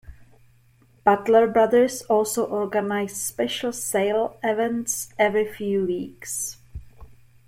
Butler Brothers also organized special sale events every few weeks.